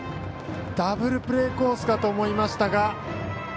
ダブルプレーコースかと思いましたが。